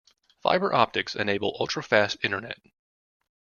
Fibre optics enable ultra-fast internet.